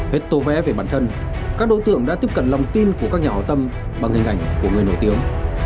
hết tố vẽ về bản thân các đối tượng đã tiếp cận lòng tin của các nhà hào tâm bằng hình ảnh của người nổi tiếng